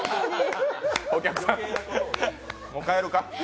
お客さん、もう帰るか？